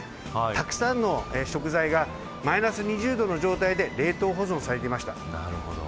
たくさんの食材がマイナス２０度の状態で冷凍保存されていました。